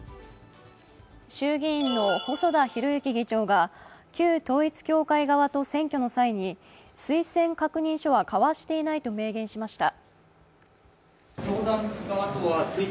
衆議院の細田博之議長が旧統一教会側と選挙の際に推薦確認書は交わしていないと明言しました。